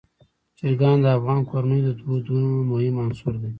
چرګان د افغان کورنیو د دودونو مهم عنصر دی.